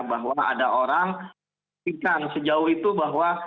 bahwa ada orang yang pikirkan sejauh itu bahwa